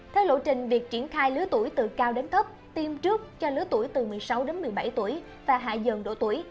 theo lộ trình việc triển khai lứa tuổi từ cao đến thấp tiêm trước cho lứa tuổi từ một mươi sáu đến một mươi bảy tuổi và hạ dần độ tuổi